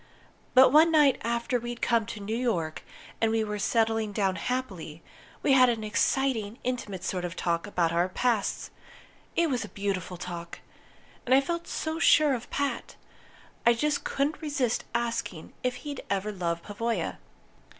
But one night after we'd come to New York and were settling down happily, we had an exciting, intimate sort of talk about our pasts. It was a beautiful talk! And I felt so sure of Pat, I just couldn't resist asking if he'd ever loved Pavoya.